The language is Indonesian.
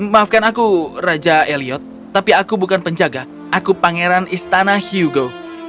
maafkan aku raja eliod tapi aku bukan penjaga aku pangeran istana hugo